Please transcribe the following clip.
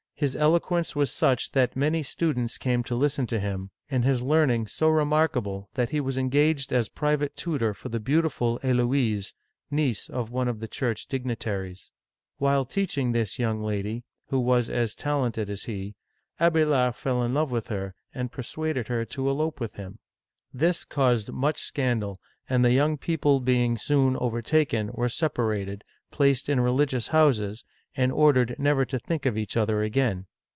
His eloquence was such that many stu dents came to listen to him, and his learning so remarkable that he was engaged as private tutor for the beautiful H^lolfse (a lo ez'), niece of one of the church dignitaries. While teaching this young lady, — who was as talented as he, — Ab^lard fell in love with her, and persuaded her to elope with him. This caused much scandal, and the young people being soon overtaken, were separated, placed in religious houses, and ordered never to think of each other again.